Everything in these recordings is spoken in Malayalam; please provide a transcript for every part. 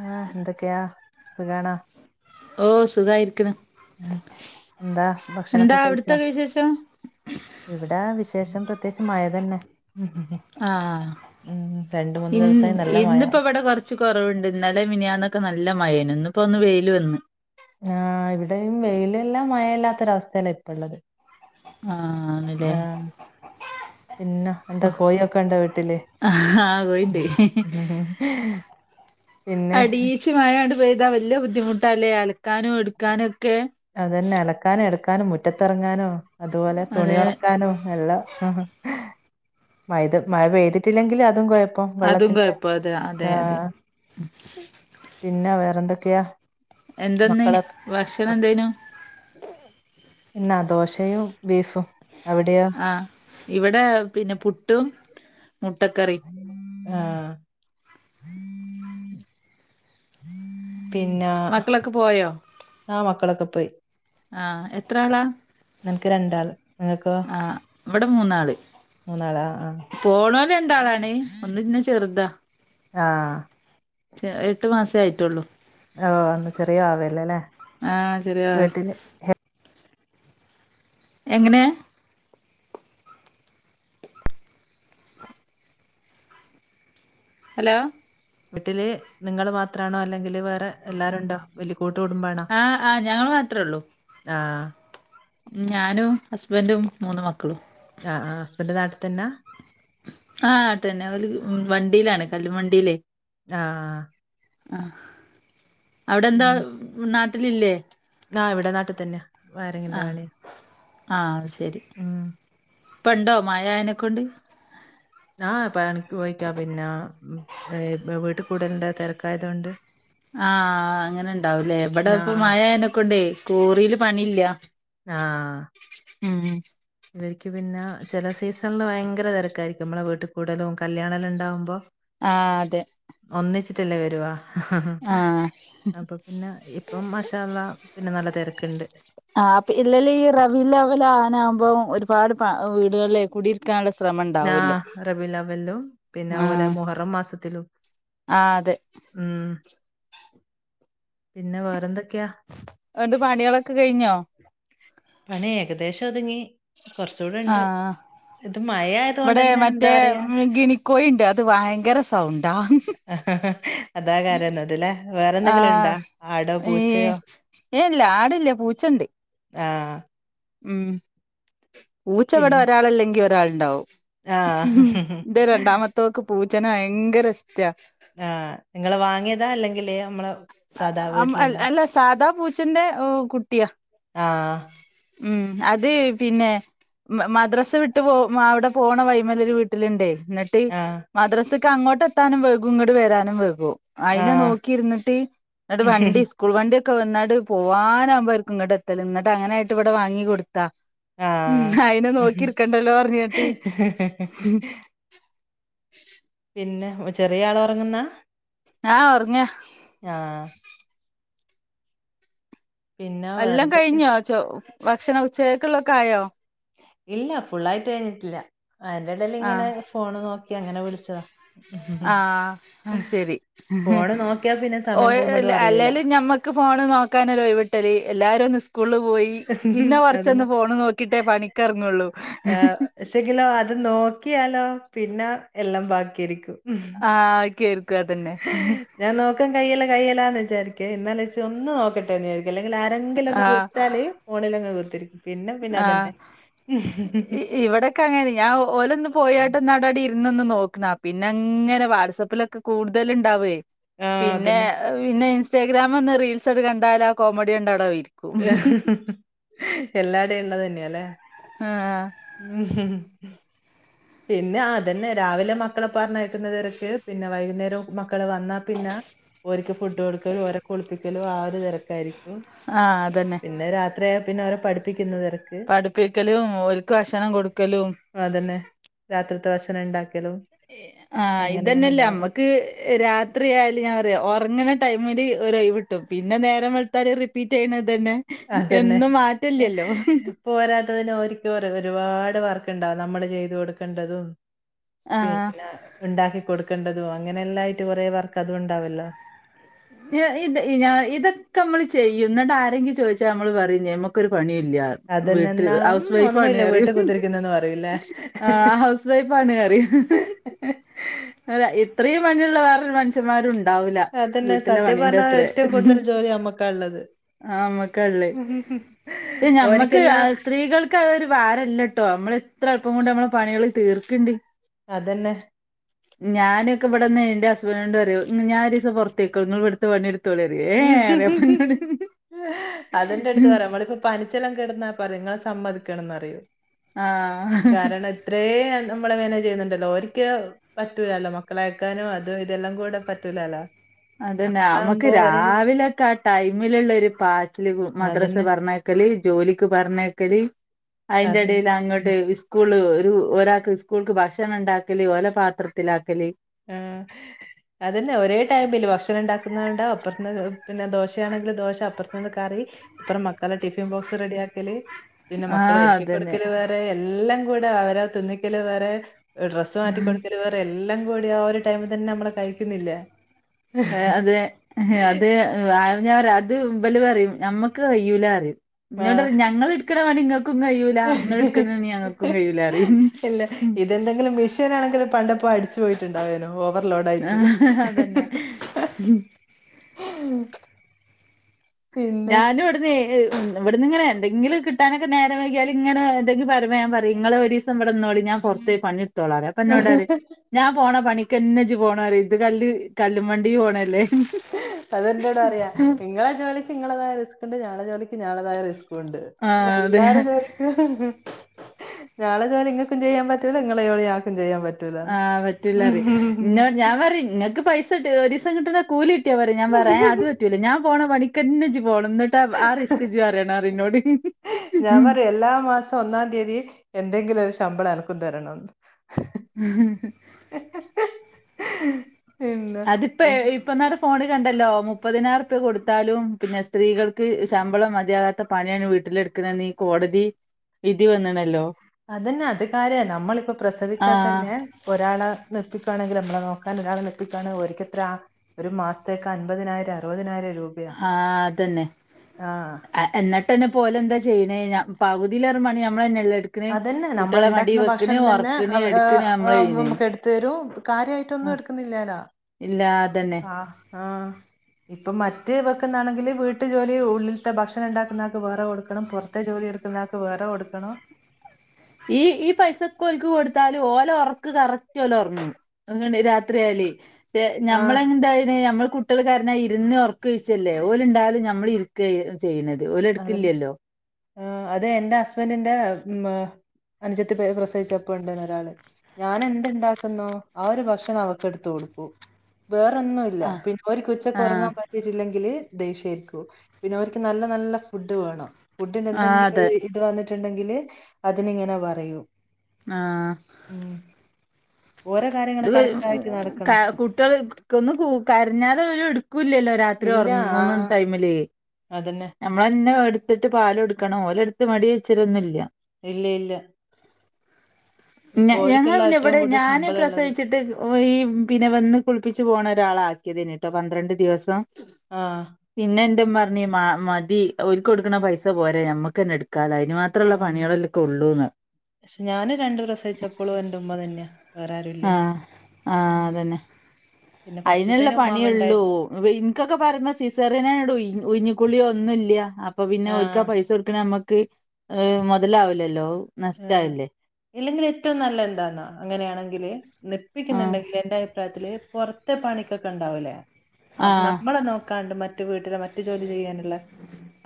ആഹ എന്തൊക്കെയാ സുഖണ ഓ സുഖയിരിക്കണ് എന്താ ഭക്ഷണൊക്കെ കഴിച്ചാ അവിടത്തൊക്കെ വിശേഷം എവിടാ ശേഷം പ്രത്യേശ് മയ തന്നെ ആഹ ഉം രണ്ട് മൂന്ന് ഇൽ ദിവസായി നല്ല മഴ ഇന്നിപ്പോ ഇവിടെ കൊറച്ച് കൊറവുണ്ട് ഇന്നലെ മെനഞ്ഞാന്നൊക്കെ നല്ല മയയാനെ ഇപ്പൊ ഒന്ന് വേയില് വന്ന് ആഹ ഇവിടെയും വെയിലെല്ലാം മഴ ഇല്ലാത്തൊരവസ്ഥയല്ലേ ഇപ്പള്ളത് ആഹണല്ലേ പിന്ന എന്താ കോഴിക്കെ ഒണ്ടൊ വീട്ടില് ആഹ് പോയിണ്ട് [unintelligible] പിന്നെ അടീച്ച് മഴാണ്ട് പെഴ്‌താ വലിയ ബുദ്ധിമുട്ട അല്ലേ അലക്കാനോ എടുക്കാനോ അതന്നെ അലക്കാനു എടുക്കാനും മുറ്റത്തിറങ്ങാനോ അതുപോലെ തുണി അതെ ഉണക്കാനും എല്ലാം ഹ് ഹ് മൈത് മഴ പെയ്തിട്ടില്ലെങ്കില് അതും ക്കും അതും വെള്ളത്തിന്റെ കൊഴപ്പം അതെ അതെ ന്താ അതെ പിന്നെ വേറെന്തൊക്കെ എന്തെന്ന ഭക്ഷണം എന്തേനു ഇന്നാ ദോശയും ബീഫും അവിടെയോ ആഹ് ഇവിടെ പിന്നെ പുട്ടും മുട്ടക്കറി ആഹ പിന്നാ മക്കളൊക്കെ ആ മക്കളൊ ആഹ എത്ര ആളാ ക്ക്‌ രണ്ടാൾ ആ ഇവിടെ മൂന്നാള് മൂന്നാളാ ആ പോണ ക്ക്‌ രണ്ടാളാണ് ഒന്ന് ഇന്ന ചെറുതാ ആഹ റ്റ് എട്ട് മാസേ ആയിട്ടുള്ളൂ ഓ ഒന്ന് ചെറിയ വാവേല്ലെ ല്ലേ ആഹ ചെറിയ വാവേ എങ്ങനെ [inaudible] ഹലോ വീട്ടില് നിങ്ങള് മാത്രണോ അല്ലെങ്കില് വേറെ ട്ട് എല്ലാരുണ്ടോ വല്ല്യ കൂട്ട് കുടുംമ്പണോ ആ ആ ഞങ്ങൾ മാത്രേ ഉള്ളൂ ആഹ ഞാനും ഹസ്ബന്റും മൂന്ന് മക്ക് ആ ഹസ്ബൻഡ് നാട്ടിത്തന്നാ- ആഹ് അത് ന്നെ അവര് വണ്ടിയിലാണ് കല്ലും വണ്ടിയിലേ- ആഹ ആ അവിടെ എന്താ നാട്ടിലില്ലേ ന്നാ ഇവിടെ നാട്ടി തന്നെയാ വയറിങ്ങിന്റെ പണിയാ ആഹ് അ ശെരി ഇപ്പണ്ടോ മയ ആയേനെക്കൊണ്ട്- ആ പണക്ക് പോയിക്കാ പിന്നെ വീട്ടിൽ കൂടുലണ്ട് തെരക്കായത കൊണ്ട്- ആഹ് അങ്ങനെ ഇണ്ടാവൂലേ എവിടെ ആ ഇപ്പ മഴയനൊക്കെണ്ടേ ക്വറിൽ പണിയില്ല- ആഹ് - [inaudible] ഇവർക്ക് പിന്നെ ചെല സീസണില് ഭയങ്കര തെരക്കായിരിക്കും നമ്മളെ വീട്ട കൂടലും കല്യാണമെല്ലാണ്ടകുമ്പോൾ- ആ അതെ- ല്ലേവരുവാ ആ അപ്പൊ പിന്നെ ഇപ്പം മഷാള്ളാ- ഇന്ന് നല്ല തെരക്ക്ണ്ട്- ആ അപ്പ ഇല്ലല്ല ഈ റവല്ല അവലെ ആന ആകുമ്പം ഒരുപാട് വീടുകളില കൂടിയിരിക്കാനുള്ള- ആഹ് റബീയുവ്വ്ലിലും പിന്നെ ആ അതുപോലെ മുഹറം മാസത്തിലും- ആ അതെ ഉം പിന്നെ വേറെന്തൊക്കെയാ- ന്നട്ട് പണികളൊക്കെ കഴിഞ്ഞോ? പണി ഏകദേശം ഒതുങ്ങി ആ കൊറച്ചൂടെണ്ട്- ഇവിടെ മറ്റേ ഗിനിക്കോയിണ്ട് അത് വയങ്കര സൗണ്ട്- ആഹ് ഹ്ഹ അതാ കരയന്നത് ലെ ആ വേറെന്തെങ്കിലും ണ്ടോ ആടോ പൂച്ചയോ- ഏ ഇല്ല ആടില്ല പൂച്ചണ്ട്- ആഹ്- ഉം പൂച്ചവിടെ പിന്നെ ഒരാളല്ലെങ്കി ഒരാളിണ്ടാകും- ആഹ്. ഉം ഇന്റെ രണ്ടാമത്തൊക്ക്‌ പൂച്ചനെ ഭയങ്കര ഇഷ് ടാ ആഹ്. നിങ്ങള് വാങ്ങിയതാ? അല്ലെങ്കില് നമ്മളെ സാധാ വീട്ടില്ണ്ടാ? അല്ല സാധാപൂ പൂച്ചന്റെ ഓഹ് കുട്ടിയാ- ആഹ്- ഉം അത് പിന്നെ- മ മദ്രസ് വിട്ട് പോ അവിടെ പോണ വൈമലൊരു വീട്ടിലുണ്ടേ- ന്നട്ട് ആഹ്. മദ്രസിക്ക് അങ്ങോട്ട് എത്താനും വെയ്കും ഇങ്ങോട്ട് വരാനും വെയ്കും- അയിനെ ആഹ്. നോക്കി ഇരുന്നിട്ട് ന്നട്ട് വണ്ടി സ്കൂൾ വണ്ടി- ക്കെ വന്നാട്ട് പോവാനകുമ്പോരിക്കും ഇങ്ങട്ട് എത്തല് ന്നിട്ട് അങ്ങനായിട്ട് ഇവിടെ വാങ്ങി കൊടുത്താ- ഉം അയിനെ ആഹ്. നോക്കിർക്കണ്ടല്ലോ പറഞ്ഞിട്ട്- ഉ [inaudible] പിന്നെ ചെറിയ ആൾ ഒറങ്ങുന്നാ- ആഹ് ഒറങ്ങ- ആഹ്. പിന്നെ എല്ലാം വേറെന്തൊക്കെ? കഴിഞ്ഞോ ചോ ഭക്ഷണ ഉച്ചക്കക്കുള്ളൊക്കെ ആയോ? ഇല്ല ഫുള്ളായിട്ട് കഴിഞ്ഞിട്ടില്ല അതിന്റെ ഇടേൽ ഇങ്ങനെ ആഹ് ഫോണ് നോക്കി അങ്ങനെ വിളിച്ചതാ- ആഹ് ശരി ഹ് ഹ്- ഫോണ് നോക്കിയാ പിന്നെ ഓ സമയം പോകുന്നതും അ അറിയൂല. അല്ലോലും ഞമ്മക്ക് ഫോണ് നോക്കാനോരോഴിവിട്ടല് എല്ലാരും ഒ- സ്കൂള് പോയി പിന്നെ അതന്നെ. കൊറച്ചന്ന് ഫോണ് നോക്കിട്ടേ പണിക്കെറങ്ങുള്ളൂ- ആഹ് പക്ഷെങ്കിലോ അത് നോക്കിയാലോ പിന്നെ എല്ലാം ബാക്കിയാരിക്കും- ആക്കീർ- ഞാൻ നോക്കൻ കൈയെല്ല കൈയെല്ലാന്ന് വിചാരിക്കേ എന്നാലേച്ച ഒന്ന് നോക്കട്ടൊന്നിജ- അല്ലെങ്കിൽ ആരെങ്കിലൊന്ന് ആഹ് വിളിച്ചാല് ഫോണിലങ് കുത്തിരിക്കും- പിന്നെ പിന്നെ ആഹ് അതന്നെ. ഇവടൊക്കെ അങ്ങനെ ഞാൻ ഓലൊന്ന് പോയാട്ടൊന്നവിടെരി- ഇരിന്നൊന്ന് നോക്കണ പിന്നെ അങ്ങനെ വാട്സആപ്പിലൊക്കെ കൂടുതല് ണ്ടാവുവേ- ആ പിന്നെ അതന്നെ. പിന്നെ ഇൻസ്റ്റാഗ്രാംന്ന് റീൽസ് ഒക്കെ കണ്ടാലോ കോമഡി കണ്ട അവിടങ്ങിട്ടിരി ഹ് ഹ് എല്ലാടെയും ഉള്ളത് തന്നെയല്ലേ. ആഹ് മ്ഹും. പിന്നെ അതന്നെ രാവിലെ മക്കളെ പറഞ്ഞയക്കുന്ന തിരക്ക്. പിന്നെ വൈകുന്നേരം മക്കള് വന്നാൽ പിന്നെ ഓർക്ക് ഫുഡ് കൊടുക്കലും ഒരെ കുളിപ്പിക്കലും ആ ഒരു തിരക്കായിരിക്കും- ആഹ് അതന്നെ പിന്നെ രാത്രിയായ പിന്നെ അവരെ പഠിപ്പിക് തെരക്ക് പഠിപ്പിക്കലും ഓൽക്ക് ഭക്ഷണം കൊടുക്കലും അ അതന്നെ- ത്തെ ഭക്ഷണണ്ടാക്കി. ആഹ് ഇതന്നെല്ലേ നമ്മക്ക്, രാത്രിയായാല് ഞാൻ പറയാ ഒറങ്ങണ ടൈമില് ഓരിയിവിട്ടും. പിന്നെ നേരം വെള്താല് റിപ്പീറ്റ് ചെയ്യണത് അതന്നെ. പോരാത്തതിന് ഓര്ക്ക് ഒരുപാട് വർക്ക്‌. ണ്ട നമ്മള് ചെയ്ത് കൊടുക്കേണ്ടതും, ആഹ് പിന്നെ ഇണ്ടാക്കി കൊടുക്കേണ്ടതും അങ്ങനെ എല്ലായിട്ട് കൊറേ വർക്ക് അതുംണ്ടാവല്ലോ. ഇത് ഞാ ഇതൊക്കെ നമ്മള് ചെയ്യും. ന്നട്ടാരെങ്കിലും ചോയിച്ച നമ്മള് പറയും ഞമ്മക്കൊരു പണി ല്ല്യാന്ന് ന്നട്ട് അതന്നെന്നാ "ഉം ഹൗസ് വൈഫ്‌ ആണ് ഒന്നുമില്ല പറയും. വീട്ടിൽ കുത്തിരിക്കുന്നെന്ന്" പറയൂല്ലേ. ആഹ് ഹൗസ് വൈഫ് ആണ്‌. പറയും ഹ് ഹ് ഹ്. [unintelligible] അല്ല ഇത്രയും പണിയുള്ള വേറൊരു മനുഷ്യന്മാരും ഉണ്ടാവൂല്ല. പിന്നെ സത്യ പറഞ്ഞാ ഏറ്റവും കൂടുതൽ ജോലി നമ്മക്കാ ഉള്ളത്. ആ നമ്മക്കള്ള്. ഞമ്മക്ക് ഓരിക്കെല്ലാം സ്ത്രീകൾക്ക് അതൊരു ഭാ രല്ലട്ടോ. നമ്മള എത്ര എളപ്പം കൊണ്ട് നമ്മള പണികള് തീർക്കണ്ട്. അതന്നെ. ഞാനൊക്കെ ഇവിടന്ന് എന്റെ ഹസ്ബന്റോഡ് പറയും, ഞാനൊരിസം പൊറത്തേക്കവ ങ്ങള് ഇവിടുത്താ പണിയെടു മ്മ്ഹ് അതെന്റെ അടുത്ത് പറയാ. നമ്മളിപ്പോ പനിച്ചെലാം കെടുന്നാ പറയും നിങ്ങളെ സമ്മതിക്കണംന്ന് പറയും. ആഹ് കാരണം എത്രേ മ്മളെ വേല ചെയ്യുന്നുണ്ടല്ലോ. ഒരിക്ക പറ്റൂലല്ലോ മക്കള അയക്കാനും, അതും ഇതെല്ലാം കൂടെ പറ്റൂലല്ലോ. അതന്നെ നമക്ക് നമ്മളാവുമ്പോ ഒരേ രാവിലക്കെ ആ ടൈമിലുള്ള ഒരു പാച്ചില്, മദ്രസ് അതന്നെ, പറഞ്ഞയക്കല്. ജോലിക്ക് പറഞ്ഞയക്കല്, അതന്നെ. അതിന്റെടല് അങ്ങോട്ട് സ്കൂള് ക്കു ഒരാൾക്ക് സ്കൂൾക്ക് ഭക്ഷണം ഉണ്ടാക്കല്, ഓല പാത്രത്തിലാക്കല്. ആ അതന്നെ ഒരേ ടൈമില് ഭക്ഷണം ഉണ്ടാക്കുന്നണ്ടോ അപ്പറ പിന്നെ ദോശയാണെങ്കില് ദോശ. അപ്പുറത്ത നിന്ന് കറി, ഇപ്പറം മക്കളെ ടിഫിൻ ബോക്സ് റെഡി ആക്കില്. പിന്നെ മക്കള് ആഹ് ഒരുക്കി അതന്നെ കൊടുക്കല് വേറെ. എല്ലാം കൂടെ അവരെ തിന്നിക്കല് വേറെ. ഡ്രസ്സ് മാറ്റി കൊടുക്കല്. വേറെ എല്ലാം കൂടി ആ ഒരു ടൈമിതന്നെ നമ്മള് കഴിക്കുന്നില്ലേ. അതെ അത് [unintelligible] അത് [unintelligible] ലു പറയും. ഞമ്മക്ക് കയ്യൂല പറയും. ആഹ്. എന്നോടറയും ഞങ്ങൾ എടുക്കണ പണി ഇങ്ങക്ക് കഴിയൂല പറയും ഇല്ല ഇതെന്തെങ്കിലും മിഷീനാണെങ്കിലും, പണ്ടപ്പോ അടിച്ചു പോയിട്ടുണ്ടാവനോ. ഓവർ ലോഡ് ആയിട്ട്. അതന്നെ ഞാന ഇവിടുന്ന് ഇവിടുന്ന് ഇങ്ങനെ എന്തെങ്കിലും കി ട്ടാനൊക്കെ നേര വൈകിയാല്, ഇങ്ങന എന്തെങ്കില പറയുമ്പ ഞാ പറയും. ഇങ്ങളെ ഒരിസം വിടന്ന് നിന്നോളി ഞാനാ പൊറത്തോയി പണി ത്തോളാ, പ്പന്നോട് പറയും ഞാപോണ പണിക്കന്നജ് പോണ ഇത് കല്ല് കല്ല് [unintelligible] പോണല്ലേ ങ്ങളതായ റിസ്ക്ണ്ട്. ഞങ്ങളുടെ ജോലിക്ക് ഞങ്ങളതായ റിസ്കും ഉണ്ട്. ആ അതെ എല്ലാരും ജോലിക്ക് ഞങ്ങളെ ജോലി ഇങ്ങൾക്കും ചെയ്യാൻ പറ്റൂല, ങ്ങളെ ജോലി ഞങ്ങൾക്കും ചെയ്യാൻ പറ്റുല്ല. ആഹ പറ്റൂലറി. ഇന്ന ഞാൻ പറ നിങ്ങക്ക് പൈസ [unintelligible] ഒരിസം കിട്ടണ കൂലീ കീട്ടിയാ പോരെ. ഞാൻ പറയാ അത് പറ്റൂല ഞാൻ പോണ പണിക്കന്നെ ജ് പോണം എന്നിട്ട് ആ റിസ്ക് ജ് റിയണം, പറയു ന്നോട്. ഞാൻ പറയും എല്ലാ മാസം ഒന്നാം തീയതി എന്തെങ്കിലും ഒരു ശമ്പളം അനക്കും തരണംന്ന്. ഉ പിന്നെ അതിപ്പോ ഉം. ഇപ്പന്നര ഫോണി കണ്ടല്ലോ മുപ്പതിനാറ്പ്യാ കൊടുത്ത എത്താലും പിന്നെ സ്ത്രീകൾക്ക് ശമ്പളം മതിയാകത്ത പണിയാണ് വീട്ടില എടുക്കണനി കോടതി വിധി വന്നണല്ലോ അതന്നെ അത് കാര്യ, നമ്മളിപ്പൊ പ്രസവിച്ചാൽ ആഹ് തന്നെ ഒരാളെ നിർപ്പിക്കുയാണെങ്കിൽ നമ്മളെ നോക്ക [unintelligible] എത്തിക്കാണ് ഒരിക്കത്ര, ഒരു മാസത്തേക്ക് അൻപതിനായിരം അറുപതിനായിരം രൂപയാ ആ അതന്നെ ആ ആ എന്നിട്ട് പെട്ടെന്നെ പോലെന്തോ ചെയ്യനെന പകുതിലേറെ പണി നമ്മൾ തന്നെ അതന്നെ നമ്മൾ ഉണ്ടാക്കുന്ന ഭക്ഷണം തന്നെ ഒറക്കണ് ആവാ എടുക്കണ് ആ നമ്മള് ചെയ്യണേ. നമുക്ക് എടുത്ത് തരും കാര്യയി ട്ടൊന്നും എടുക്കുന്നില്ലാലാ ഇല്ലാ ആഹ് ഹാ ഇപ്പം മറ്റെ ഇവെക്കന്നാണെങ്കില് വീട്ടു ജോലി ഉള്ളിലത്തെ ഭക്ഷണം ഉണ്ടാക്കുന്നതക്ക് വേറെ കൊടുക്കണം പുറത്തെ ജോലി എടുക്കുന്നക്ക് വേറെ കൊടുക്കണോ ഈ ഈ പൈസക്കെ ഒൽക്ക് കൊടുത്താല് ഓല ഉറക്ക് കറ ല ഉറങ്ങും അങ്ങനെ രാത്രിയാലെ ആഹ് നമ്മളെ എന്തായ നമ്മ കുട്ടികൾ കാരഞാ ഇരുന്ന്റക്കുഴിച്ചല്ലേ ഓലെ ഉണ്ടാലും നമ്മൾ ഇരിക്കു അതെന്നെ ആ അത് എന്റെ ഹസ്ബൻ്റിൻ്റെ ഉമ്മ അനുജത്തി പ്രസവിച്ച് കേടാക്കാനൊണ്ടേനൊരാള് ഞാൻ എന്ത്ണ്ടാക്കുന്നോ ആ ഒരു ഭക്ഷണം അവക്ക് എടുത്തു കൊടുക്കു വേറോന്നും ഇല്ല ആഹ് പിന്നെ ഒര്ക്ക്ച്ച കൊറങ്ങാ ആഹ് പറ്റിട്ടില്ലെങ്കില് ദേശ്യരിക്കൂ പിന്നെ ഒരിക്ക് നല്ല നല്ല ഫുഡ് വേണം ഫുഡിന്റെ ആഹ് എന്തെങ്കിലും അതെ ഒരു ഇത് വന്നിട്ടിണ്ടങ്കില് അതിനിങ്ങനെ പറയും ആ ഉം ഓരോ കാര്യങ്ങള് ഇത് കറക്റ്റ് ആയിട്ട് കാ നടക്കണം കുട്ടിയോള് കൊന്ന് കൂ കരഞ്ഞാല്ടുക്കൂല്ലല്ലോ രാത്രി ഇല്ല ആഹ് ഒറങ്ങമ്മടൈമില് അതന്നെ. നമ്മളെന്നെ എടുത്തിട്ട് പാല് കൊടുക്കണം ഓര് എടുത്ത് മടി വെച്ചിരൊന്നു ഇല്ല ഇല്ല ഇല്ല ഞ ഇപ്പൊ ഞങ്ങൾ ഓര്ക്കല്ല പിന്നെ ഏറ്റവും ഇവിടെ കൂടുതൽ ഞാന് ശമ്പളം ഇള്ളത്. പ്രസവിച്ചിട്ട് ഓര് ഈ പിന്നെ വന്ന് കുളിപ്പിച്ച് പോണ ഒരാളെ ആക്കി പിന്ന്ട്ടോ പന്ത്രണ്ട് ദിവസം ആഹ് ന്റെ ഉമ്മ പറഞ്ഞ് മാ മതി ഒല്ക്ക കൊടുക്കുന്ന പൈസ പോരെ ഞമ്മക്കന്നെ എടുക്കാനായി ഈന് മാത്രുള്ള ഉം പണികളല്ലൊക്കെ ഉള്ളൂന്ന് പ്രസ്സവിച്ചപ്പോള് എന്റെ ഉമ്മ തന്നെയാ വേറെ ആ ആരുല്ലന്നു ഉം പിന്നെ അയിനുള്ള ഫസ്റ്റ്ത്തേന് ഉമ്മാമ്മ പണിയുള്ളൂ ഇണ്ടായിരുന്നു. ഇനിക്കൊക്കെ പറഞ്ഞു സിസറിയായോണ്ട് ഉയിഞ് കുളി ഒന്നുല്ല അപ്പൊ പിന്നെ ഒരിക്കാ ആഹ് പൈസ കൊടുക്കണ നമ്മക്ക് ഹ് മൊതലാവുലല്ലോ ആണോ ഇല്ലെങ്കിലെറ്റോം നല്ലന്താന്നാ അങ്ങനെയാണെങ്കില് ആ നിപ്പിക്കുന്നുണ്ടെങ്കിൽ എന്റെ അഭിപ്രായത്തില് പൊറത്തെ പണിക്കൊക്കെ ഒണ്ടാവല്ലോ ആ ആം നമ്മളെ നോ കണ്ട് മറ്റു വീട്ടിലെ മറ്റു ജോലി ചെയ്യാനുള്ള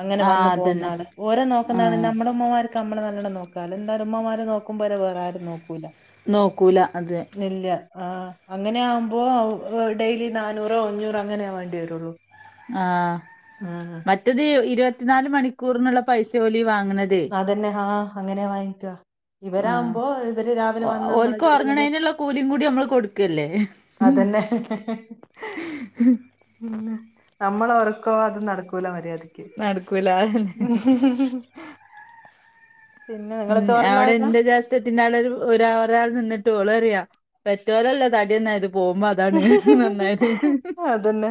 അങ്ങനെ ആ വന്നു അതന്നെ പോന്നാള് ഓര് ആ നോക്കുന്നപോലെ നമ്മള ഉമ്മമാർക്ക് നമ്മള് നല്ലണം നോ ക്കലോ എന്താലും ഉമ്മമാര് നോക്കുമ്പോലെ വേറെ ആരും നോക്കൂല നോക്കൂല അതെ ഇല്ല ആ അങ്ങനെയാകുമ്പോ ഡെയിലി നാനൂറോ അഞ്ഞൂറോ അങ്ങനെ വേണ്ടിവരുള്ളൂ ആ മറ്റത് ഇരുപത്തിനാല് മണിക്കൂറിനുള്ള പൈസ ഓലി വാ അതന്നെ ഹ അങ്ങനെ വാങ്ങിക്കാ ആഹ് ഇവരാമ്പോ ഇവര് രാവിലെ ഓ വന്ന നമ്മള ഓൽക്ക് ജോലിയെല്ലാ തീർത്ത് ഒറങ്ങണേനുള്ള കൂലിയും കൂടി നമ്മള് കൊടുക്കല്ലേ ആ അതന്നെ പിന്ന നമ്മള ഒറക്കോ അതു നടക്കൂല മര്യാദക്ക് നടക്കൂല അതന്നെ ഉംഹ് ഹ് ഹ് ഉ അവിട എന്ത് ഗ്യാസ് കേറ്റിന്റെ അളവ് വേരാ ഒരാള് നിന്നിട്ടോള്റിയാ പെറ്റോരല്ല തടിനെര് മിഹ് ഹ് ഹ് അതന്നെ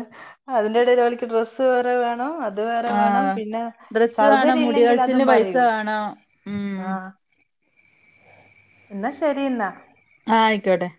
അതിന്റെടൽ ഓലിക്ക് ഡ്രസ്സ് വേറെ വേണം അത് വേറെ വേണം ആഹ് പിന്നെ ഡ്രസ്സ് വേണം മുടി സൗകര്യല്ലെങ്കിൽ അതും കളച്ചിലിന് പൈസ പറയൂ വേണം ഉം ആഹ് എന്നാ ശെരിന്നാ ആഹ ആയിക്കോട്ടെ